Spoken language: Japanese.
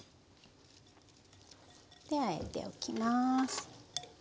あえておきます。